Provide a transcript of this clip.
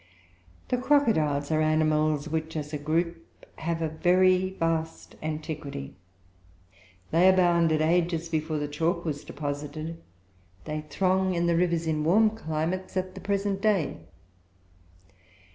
The crocodiles are animals which, as a group, have a very vast antiquity. They abounded ages before the chalk was deposited; they throng the rivers in warm climates, at the present day.